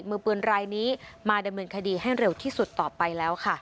มือปืนรายนี้มาดำเนินคดีให้เร็วที่สุดต่อไปแล้วค่ะ